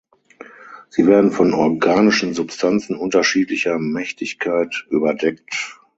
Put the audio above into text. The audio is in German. Sie werden von organischen Substanzen unterschiedlicher Mächtigkeit überdeckt.